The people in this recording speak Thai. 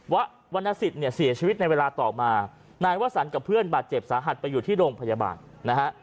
วรรณสิทธิ์เนี่ยเสียชีวิตในเวลาต่อมานายวสันกับเพื่อนบาดเจ็บสาหัสไปอยู่ที่โรงพยาบาลนะฮะ